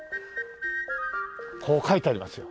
こう書いてありますよ。